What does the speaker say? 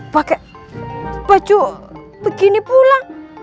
pakai baju begini pula